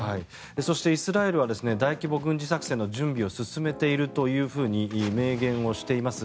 そして、イスラエルは大規模軍事作戦の準備を進めているというふうに明言しています。